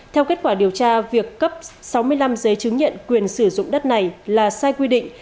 theo kết quả điều tra việc cấp sáu mươi năm giấy chứng nhận quyền sử dụng đất này là sai quy định